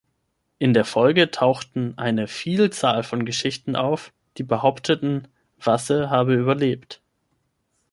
In der Folge tauchten eine Vielzahl von Geschichten auf, die behaupteten, Vasse habe überlebt.